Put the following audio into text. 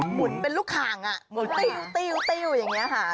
หมุนเป็นรุ่นขังหนูติ้วอย่างนี้ค่ะ